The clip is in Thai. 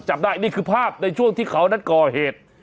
จับได้นี่คือภาพในช่วงที่เขานั้นก่อเหตุ